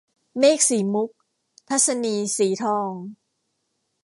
เมฆสีมุก - ทัศนีย์ สีทอง